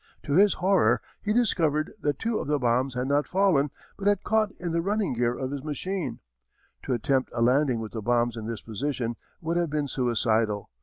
To his horror he discovered that two of the bombs had not fallen, but had caught in the running gear of his machine. To attempt a landing with the bombs in this position would have been suicidal.